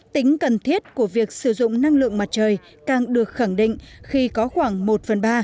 tính cần thiết của việc sử dụng năng lượng mặt trời càng được khẳng định khi có khoảng một phần ba